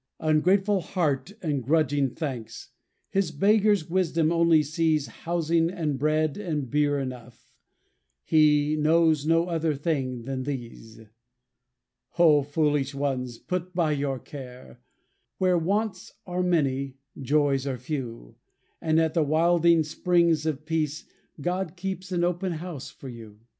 Ungrateful heart and grudging thanks, His beggar's wisdom only sees Housing and bread and beer enough; He knows no other things than these. O foolish ones, put by your care! Where wants are many, joys are few; And at the wilding springs of peace, God keeps an open house for you.